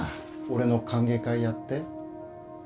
俺の歓迎会やって。